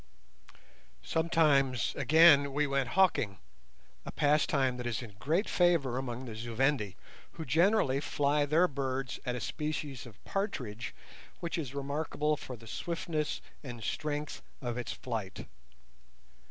Sometimes, again, we went hawking, a pastime that is in great favour among the Zu Vendi, who generally fly their birds at a species of partridge which is remarkable for the swiftness and strength of its flight.